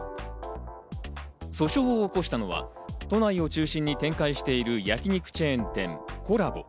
訴訟を起こしたのは都内を中心に展開している焼き肉チェーン店、ＫｏｌｌａＢｏ。